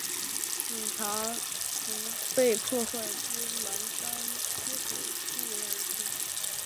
警察从被破坏之栅栏缺口突围而出